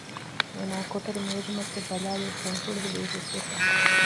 އޭނާ ކޮޓަރި މޭޒުމައްޗަށް ބަލާލިއިރު ފެންފުޅި ހުރީ ހުސްވެފަ